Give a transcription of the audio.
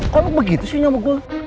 kok lo begitu sih sama gue